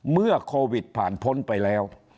เมื่อโควิดผ่านพ้นไปแล้ว